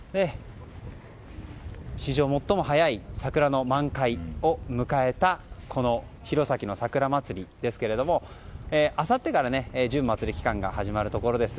史上最も早い桜の満開を迎えたこの弘前のさくらまつりですけれどもあさってから準まつり期間が始まるところです。